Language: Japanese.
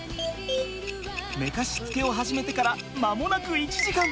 寝かしつけを始めてから間もなく１時間。